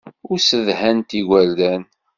Ur ssedhant igerdan.